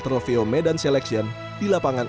trofeo medan selection di lapangan